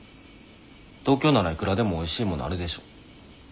東京ならいくらでもおいしいものあるでしょ。